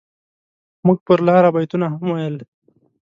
موږ پر لاره بيتونه هم ويل.